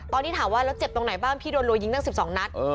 ตอนนี้ถามว่าแล้วเจ็บตรงไหนบ้างพี่โดนรัวยิงตั้ง๑๒นัด